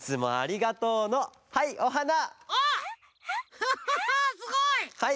フハハすごい！